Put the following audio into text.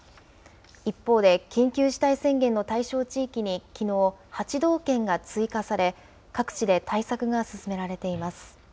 一方で、緊急事態宣言の対象地域にきのう、８道県が追加され、各地で対策が進められています。